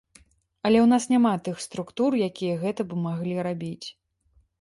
Але ў нас няма тых структур, якія гэта б маглі рабіць.